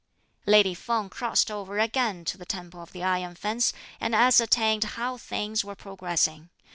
Lady Feng crossed over again to the temple of the Iron Fence and ascertained how things were progressing.